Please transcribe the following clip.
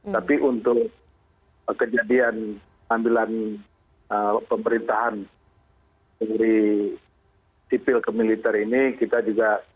tapi untuk kejadian ambilan pemerintahan dari sipil ke militer ini kita juga di malam baru informasi